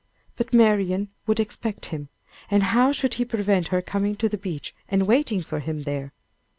But Marian would expect him. And how should he prevent her coming to the beach and waiting for him there?